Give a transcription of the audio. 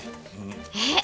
えっ？